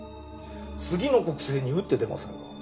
次の国政に打って出ませんか？